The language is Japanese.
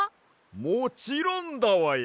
もちろんだわや！